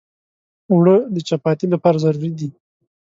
اوړه د چپاتي لپاره ضروري دي